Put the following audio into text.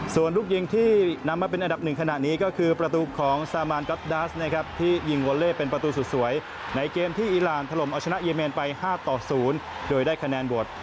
ส่วนลูกยิงที่นำมาเป็นอันดับหนึ่งขณะนี้ก็คือประตูของซามานก๊อปดาสนะครับที่ยิงวอเล่เป็นประตูสุดสวยในเกมที่อีรานถล่มเอาชนะเยเมนไป๕ต่อ๐โดยได้คะแนนโหวต